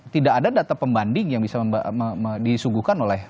tidak ada data pembanding yang bisa disuguhkan oleh